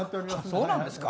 そうなんですか？